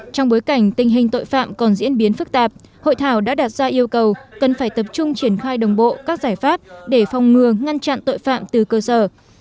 trong bối cảnh tình hình tội phạm còn diễn biến phức tạp hội thảo đã đặt ra yêu cầu cần phải tập trung triển khai đồng bộ các giải pháp để phòng ngừa ngăn chặn tội phạm từ cơ sở